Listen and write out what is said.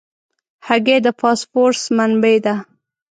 هګۍ د فاسفورس منبع ده.